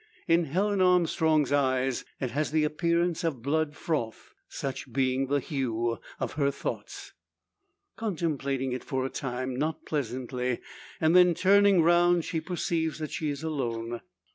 In Helen Armstrong's eyes it has the appearance of blood froth such being the hue of her thoughts. Contemplating it for a time, not pleasantly, and then, turning round, she perceives that she is alone.